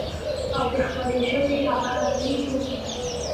او د خپلې ژبې هغه اصلي توکي،